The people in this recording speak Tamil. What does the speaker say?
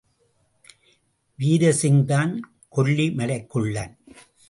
வீர்சிங்தான் கொல்லி மலைக்குள்ளன்.